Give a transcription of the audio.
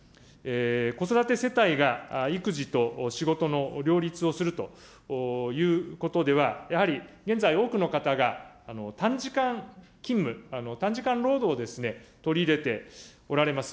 子育て世帯が育児と仕事の両立をするということでは、やはり現在、多くの方が短時間勤務、短時間労働をですね、取り入れておられます。